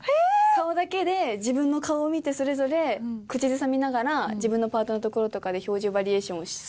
顔だけで自分の顔を見てそれぞれ口ずさみながら自分のパートのところとかで表情バリエーションをするっていう。